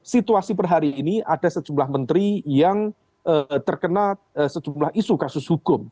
situasi per hari ini ada sejumlah menteri yang terkena sejumlah isu kasus hukum